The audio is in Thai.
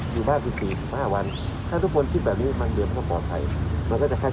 แต่เราเคลียร์ภายคลุมไหร่ด้าเตี๋ยวออกไปจัดการคลับประกาศ